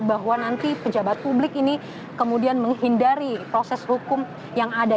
bahwa nanti pejabat publik ini kemudian menghindari proses hukum yang ada